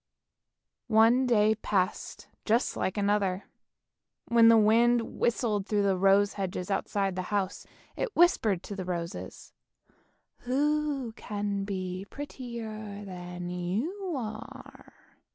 One day passed just like another. When the wind whistled through the rose hedges outside the house, it whispered to the roses, "Who can be prettier than you are?